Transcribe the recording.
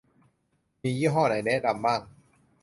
มียี่ห้อใดแนะนำบ้าง~